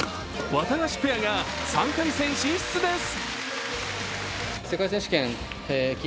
ワタガシペアが３回戦進出です。